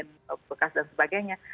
ada gen bekas dan sebagainya